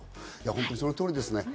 本当にその通りですね。